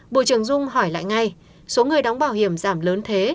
bộ trưởng dung hỏi lại ngay số người đóng bảo hiểm giảm lớn thế